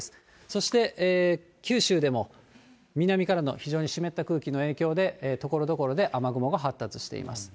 そして九州でも、南からの非常に湿った空気の影響で、ところどころで雨雲が発達しています。